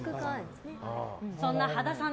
そんな羽田さん